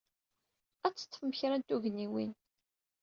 Ad d-teḍḍfem kra n tugniwin.